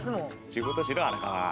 仕事しろ荒川。